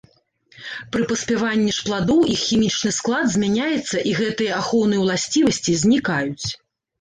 Пры паспяванні ж пладоў іх хімічны склад змяняецца і гэтыя ахоўныя ўласцівасці знікаюць.